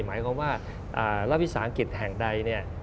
หมายความว่ารัฐวิทยาศาสตร์อังกฤษแห่งใด